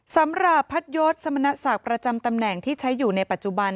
สำหรับพัทยศสมณศักดิ์ประจำตำแหน่งที่ใช้อยู่ในปัจจุบัน